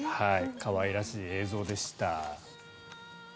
可愛らしい映像でした。